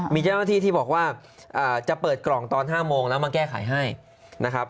มีเจ้าหน้าที่ที่บอกว่าจะเปิดกล่องตอน๕โมงแล้วมาแก้ไขให้นะครับ